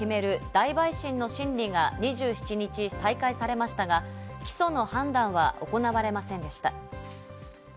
大陪審の審理が２７日再開されましたが、起訴の判断は行われませんでした。